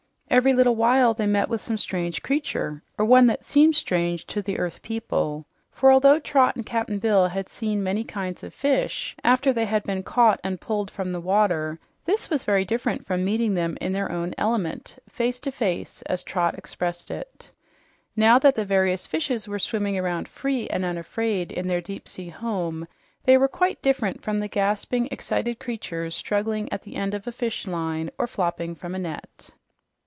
Every little while they met with some strange creature or one that seemed strange to the earth people for although Trot and Cap'n Bill had seen many kinds of fish, after they had been caught and pulled from the water, that was very different from meeting them in their own element, "face to face," as Trot expressed it. Now that the various fishes were swimming around free and unafraid in their deep sea home, they were quite different from the gasping, excited creatures struggling at the end of a fishline or flopping from a net.